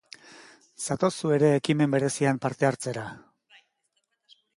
Zatoz zu ere ekimen berezian parte hartzera!